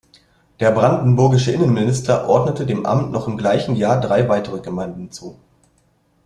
Der brandenburgische Innenminister ordnete dem Amt noch im gleichen Jahr drei weitere Gemeinden zu.